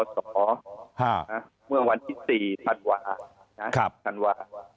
สวนพึ่งเมื่อวันที่๔ธันวา